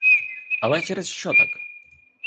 Але через що так?